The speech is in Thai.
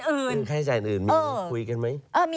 ค่าใช้จ่ายอื่นคุยกันไหม